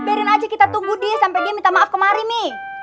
biarin aja kita tunggu dia sampe dia minta maaf kemari mi